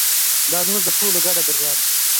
دا زموږ د ټولو ګډه بریا ده.